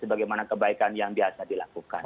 sebagai mana kebaikan yang biasa dilakukan